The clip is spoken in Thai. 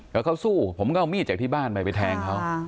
แล้วเขาสู้ผมก็เอามีดจากที่บ้านไปไปแทงเขา